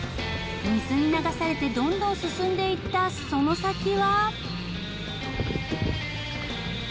水に流されてどんどん進んでいったその先は。